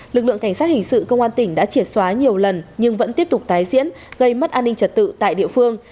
lực lượng cảnh sát hình sự công an tỉnh đã triệt xóa nhiều lần nhưng vẫn tiếp tục tái diễn gây mất an ninh trật tự tại địa phương